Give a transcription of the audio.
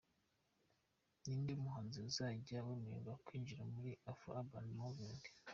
Ninde muhanzi uzajya wemererwa kwinjira muri Afro Urban movement?.